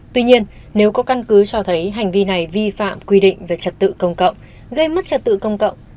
tuy nhiên nếu có căn cứ cho thấy hành vi này vi phạm quy định về trật tự công cộng gây mất trật tự công cộng